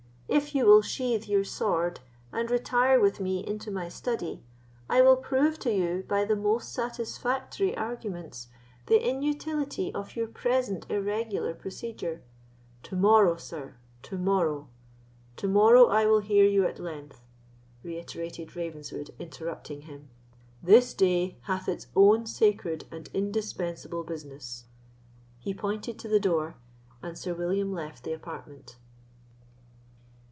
If you will sheathe your sword, and retire with me into my study, I will prove to you, by the most satisfactory arguments, the inutility of your present irregular procedure——" "To morrow, sir—to morrow—to morrow, I will hear you at length," reiterated Ravenswood, interrupting him; "this day hath its own sacred and indispensable business." He pointed to the door, and Sir William left the apartment.